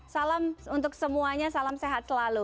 salam untuk semuanya salam sehat selalu